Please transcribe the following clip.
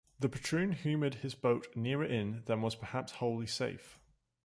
The patroon humored his boat nearer in than was perhaps wholly safe.